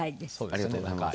ありがとうございます。